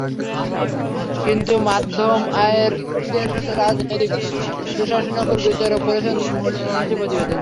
কিন্তু মধ্যম আয়ের দেশ হতে রাজনৈতিক সুশাসনের ওপর গুরুত্বারোপ করা হয়েছে প্রতিবেদনে।